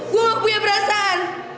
gue gak punya perasaan